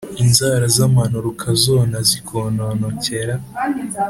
Inzara z’amano rukazona zikononokera